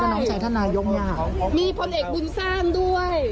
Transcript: น้องชายท่านนายกเนี่ยค่ะมีพลเอกบุญสร้างด้วย